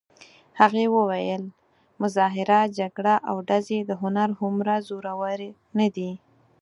هغې ویل: مظاهره، جګړه او ډزې د هنر هومره زورور نه دي.